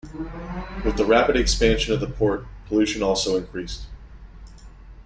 With the rapid expansion of the port pollution also increased.